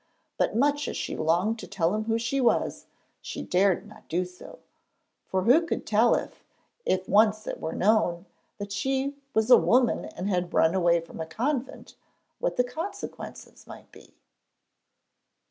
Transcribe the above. But much as she longed to tell him who she was, she dared not do so, for who could tell, if it were once known that she was a woman and had run away from a convent, what the consequences might be?